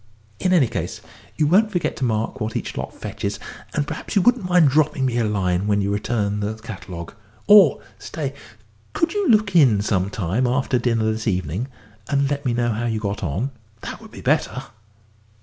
In any case, you won't forget to mark what each lot fetches, and perhaps you wouldn't mind dropping me a line when you return the catalogue or stay, could you look in some time after dinner this evening, and let me know how you got on? that would be better."